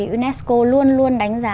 unesco luôn luôn đánh giá